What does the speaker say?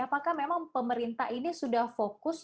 apakah memang pemerintah ini sudah fokus